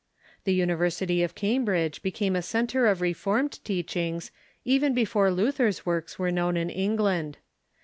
The University of Cambridge became a centre of Reformed teachings even before Luther's works were known in England.